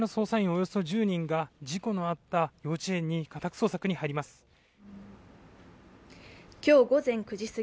およそ１０人が事故のあった幼稚園に家宅捜索に入ります。